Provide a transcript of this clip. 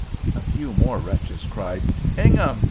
A few more wretches cried, "Ingham!